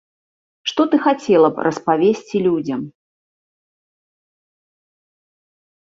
Што ты хацела б распавесці людзям?